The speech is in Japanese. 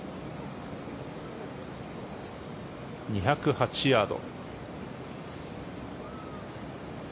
２０８ヤード。